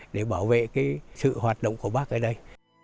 để bảo vệ cái sự hoạt động của bác ở đây